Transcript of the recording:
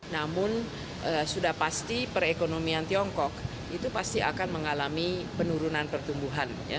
namun sudah pasti perekonomian tiongkok itu pasti akan mengalami penurunan pertumbuhan